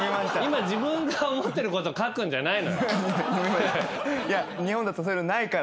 今自分が思ってること書くんじゃないのよ。